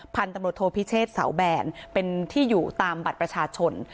พันธุ์ตำรวจโทพิเชษเสาแบนเป็นที่อยู่ตามบัตรประชาชน